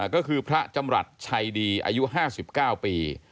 ก็คือพระจำรัฐชัยดีอายุ๕๙ปี